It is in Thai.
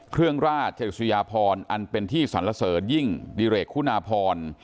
เครื่องราชชะอิสุริยาพรอันเป็นที่สรรเสริญยิ่งดิเรกฮุนาพร